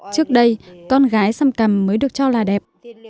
trước đây con gái xăm cằm mới được cho là đẹp